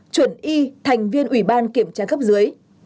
chuẩn y thành viên ủy ban kiểm tra cấp dưới